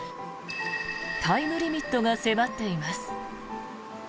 タイムリミットが迫っています。